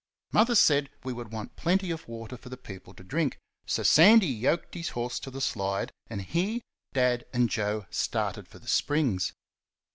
Mother said we would want plenty of water for the people to drink, so Sandy yoked his horse to the slide, and he, Dad, and Joe started for the springs.